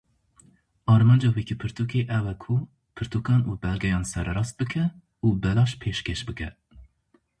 Armanca Wîkîpirtûkê ew e ku pirtûkan û belgeyan sererast bike û belaş pêşkêş bike.